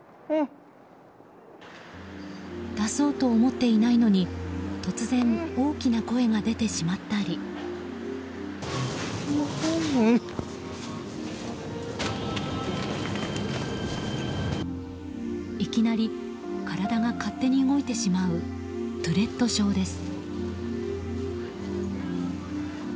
出そうと思っていないのに突然、大きな声が出てしまったりいきなり体が勝手に動いてしまうトゥレット症です。